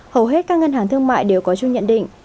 hầu hết các ngân hàng thương mại đều có chung nhận định